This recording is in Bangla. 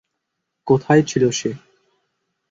কোথায় ছিল সে?